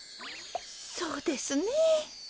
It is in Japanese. そうですね。